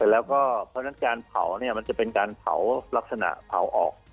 แล้วก็เพราะฉะนั้นการเผาเนี่ยมันจะเป็นการเผาลักษณะเผาออก